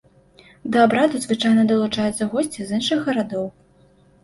Да абраду звычайна далучаюцца госці з іншых гарадоў.